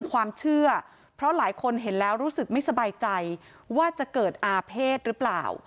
ความเชื่อเพราะหลายคนเห็นแล้วรู้สึกไม่สบายใจว่าจะเกิดอาเภษหรือเปล่า